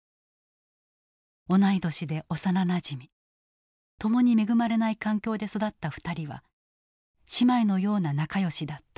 同い年で幼なじみ共に恵まれない環境で育った２人は姉妹のような仲よしだった。